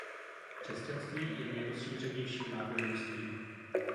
Křesťanství je nejrozšířenějším náboženstvím.